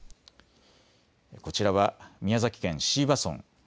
こちらは宮崎県椎葉村。